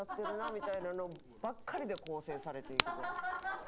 みたいなのばっかりで構成されていくドラマ。